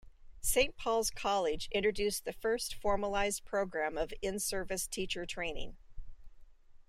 Saint Paul's College introduced the first formalised program of in-service teacher training.